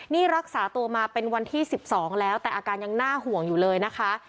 นี่รักษาตัวมาเป็นวันที่๑๒แล้วแต่อาการยังน่าห่วงอยู่เลยนะคะ